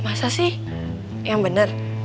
masa sih yang bener